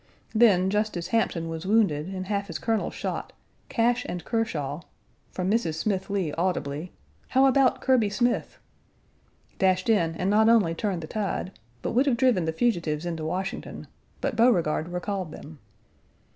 Then just as Hampton was wounded and half his colonels shot, Cash and Kershaw (from Mrs. Smith Lee audibly, "How about Kirby Smith?") dashed in and Page 106 not only turned the tide, but would have driven the fugitives into Washington, but Beauregard recalled them.